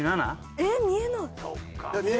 えっ見えない！